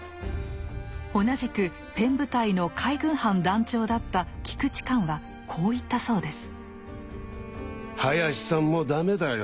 同じくペン部隊の海軍班団長だった菊池寛はこう言ったそうです。